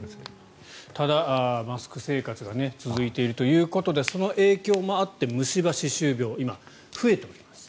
ただ、マスク生活が続いているということでその影響もあって虫歯、歯周病が今、増えております。